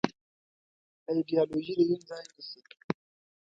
ایدیالوژي د دین ځای نيسي.